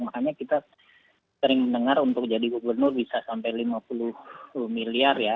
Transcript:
makanya kita sering mendengar untuk jadi gubernur bisa sampai lima puluh miliar ya